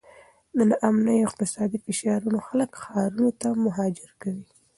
ناامني او اقتصادي فشارونه خلک ښارونو ته مهاجر کوي.